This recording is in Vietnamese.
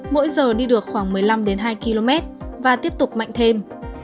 mỗi giờ đi được khoảng một mươi năm hai km và tiếp tục mạnh thêm